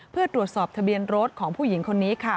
เพื่อตรวจสอบทะเบียนรถของผู้หญิงคนนี้ค่ะ